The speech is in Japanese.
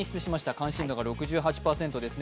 関心度が６８％です。